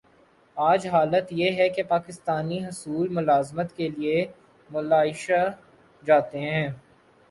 آج حالت یہ ہے کہ پاکستانی حصول ملازمت کیلئے ملائشیا جاتے ہیں۔